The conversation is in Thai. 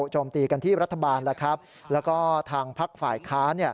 โจมตีกันที่รัฐบาลแล้วครับแล้วก็ทางพักฝ่ายค้าเนี่ย